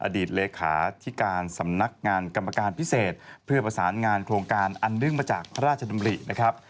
เลขาที่การสำนักงานกรรมการพิเศษเพื่อประสานงานโครงการอันเนื่องมาจากพระราชดำรินะครับ